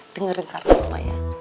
dengerin saran mama ya